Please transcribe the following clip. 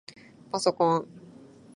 パソコン